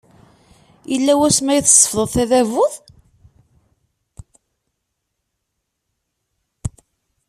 Yella wasmi ay tsefḍeḍ tadabut?